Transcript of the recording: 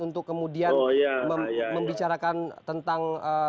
untuk kemudian membicarakan tentang